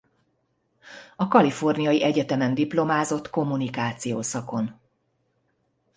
A Kaliforniai Egyetemen diplomázott kommunikáció szakon.